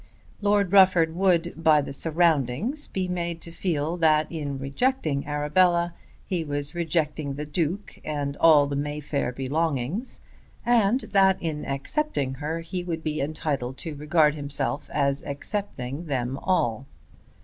Lord Rufford would by the surroundings be made to feel that in rejecting Arabella he was rejecting the Duke and all the Mayfair belongings, and that in accepting her he would be entitled to regard himself as accepting them all.